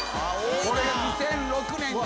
これが２００６年